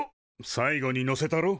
最後にのせたろ？